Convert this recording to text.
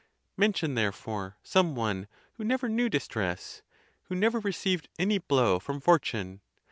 Mention, therefore, some one, who never knew distress; who never received any blow from fortune.